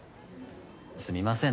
すみません